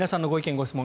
・ご質問